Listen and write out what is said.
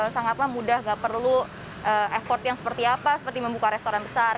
sangatlah mudah nggak perlu effort yang seperti apa seperti membuka restoran besar